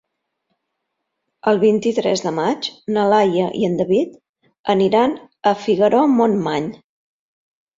El vint-i-tres de maig na Laia i en David aniran a Figaró-Montmany.